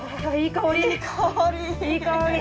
いい香り！